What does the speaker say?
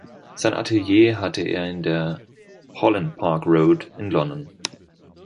Sein Atelier hatte er in der "Holland Park Road" in London.